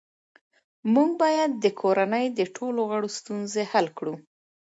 موږ باید د کورنۍ د ټولو غړو ستونزې حل کړو